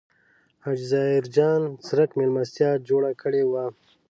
حاجي ظاهر جان څرک مېلمستیا جوړه کړې وه.